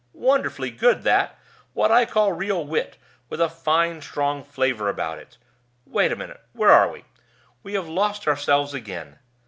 Wonderfully good, that what I call real wit, with a fine strong flavor about it. Wait a minute! Where are we? We have lost ourselves again.